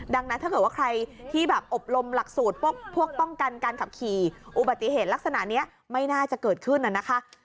ดังนั้นถ้าเกิดว่าใครที่แบบอบรมหลักสูตรพวกป้องกันการขับขี่อุบัติเหตุลักษณะนี้ไม่น่าจะเกิดขึ้นน่ะนะคะ